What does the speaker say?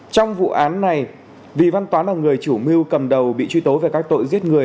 trong vụ án này vì văn toán là người chủ mưu cầm đầu bị truy tố về các tội giết người